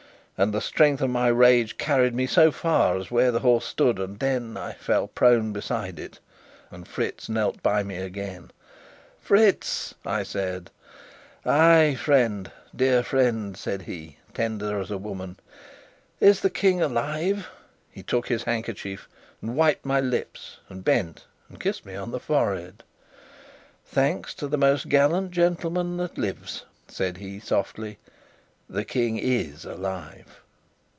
And the strength of my rage carried me so far as where the horse stood, and then I fell prone beside it. And Fritz knelt by me again. "Fritz!" I said. "Ay, friend dear friend!" he said, tender as a woman. "Is the King alive?" He took his handkerchief and wiped my lips, and bent and kissed me on the forehead. "Thanks to the most gallant gentleman that lives," said he softly, "the King is alive!"